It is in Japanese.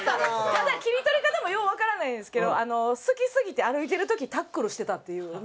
ただ切り取り方もようわからないんですけど好きすぎて歩いてる時タックルしてたっていうなんかようわからん話。